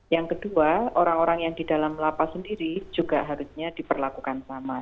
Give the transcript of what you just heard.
yang kedua orang orang yang di dalam lapas sendiri juga harusnya diperlakukan sama